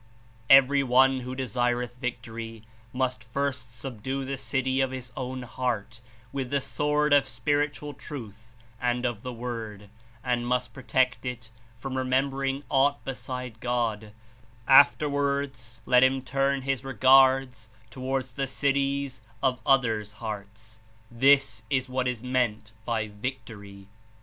*'Every one who desireth victory must first subdue the city of his own heart with the sword of spiritual truth and of the Word, and must protect It from re membering aught beside God : aftenvards let him turn his regards towards the cities of (other's) hearts. This is what is meant by 'victory!'